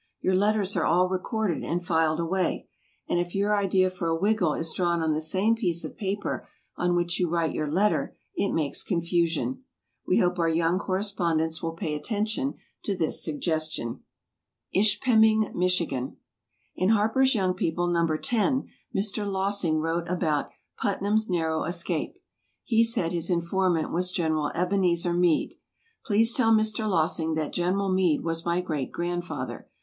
Your letters are all recorded, and filed away, and if your idea for a "Wiggle" is drawn on the same piece of paper on which you write your letter, it makes confusion. We hope our young correspondents will pay attention to this suggestion. ISHPEMING, MICHIGAN. In Harper's Young People, No. 10, Mr. Lossing wrote about "Putnam's Narrow Escape." He said his informant was General Ebenezer Mead. Please tell Mr. Lossing that General Mead was my great grandfather.